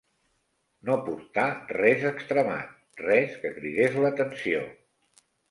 No portar res extremat, res que cridés l'atenció